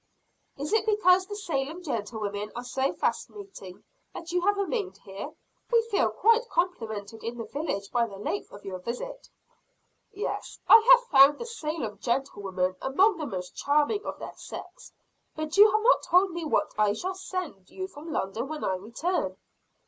"Is it because the Salem gentlewomen are so fascinating that you have remained here? We feel quite complimented in the village by the length of your visit." "Yes, I have found the Salem gentlewomen among the most charming of their sex. But you have not told me what I shall send you from London when I return?"